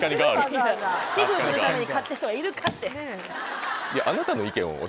寄付するために買ってる人がいるかって。